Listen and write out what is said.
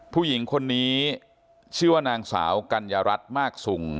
ผู้หญิงคนนี้ชื่อว่านางสาวกัญญารัฐมากสุง